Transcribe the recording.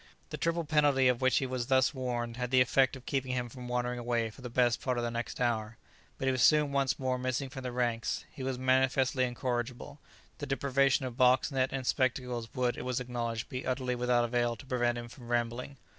The triple penalty of which he was thus warned had the effect of keeping him from wandering away for the best part of the next hour, but he was soon once more missing from the ranks; he was manifestly incorrigible; the deprivation of box, net, and spectacles would, it was acknowledged, be utterly without avail to prevent him from rambling.